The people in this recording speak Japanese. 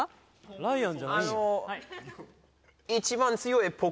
・ライアンじゃないの？